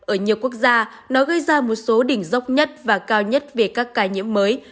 ở nhiều quốc gia nó gây ra một số đỉnh dốc nhất và cao nhất về các ca nhiễm mới